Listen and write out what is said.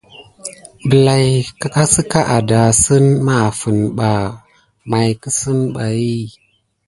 Bəlay sika adasine mà afine ɓa may kusimaya pay.